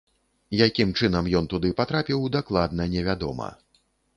Якім чынам ён туды патрапіў, дакладна невядома.